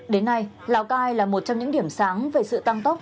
đến nay lào cai là một trong những điểm sáng về sự tăng tốc